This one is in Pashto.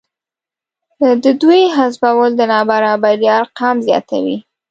د دوی حذفول د نابرابرۍ ارقام زیاتوي